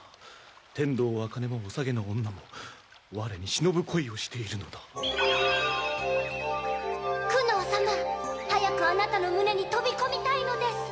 天道あかねもおさげの女も我に忍ぶ恋をしているのだ九能様早くあなたの胸に飛び込みたいのです